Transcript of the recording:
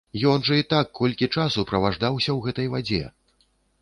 Ён жа і так колькі часу праваждаўся ў гэтай вадзе!